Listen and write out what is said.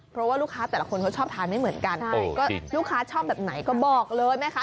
เพราะว่าลูกค้าแต่ละคนเขาชอบทานไม่เหมือนกันก็ลูกค้าชอบแบบไหนก็บอกเลยแม่ค้า